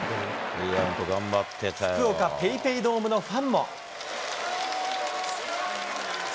福岡ＰａｙＰａｙドームのファンも。